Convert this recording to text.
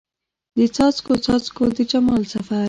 د څاڅکو، څاڅکو د جمال سفر